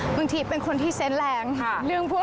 บางทีเป็นคนที่เซ็นแรงเรื่องพวกนี้